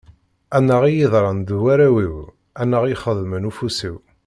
Annaɣ i yeḍran d warraw-iw, annaɣ i yexdem ufus-iw.